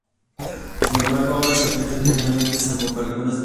Sin embargo, ahora se aplican directamente, salvo para algunas materias.